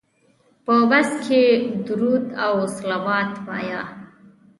په بس کې درود او صلوات وایه.